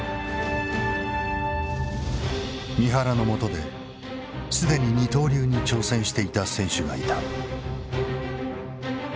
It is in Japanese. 三原のもとで既に二刀流に挑戦していた選手がいた。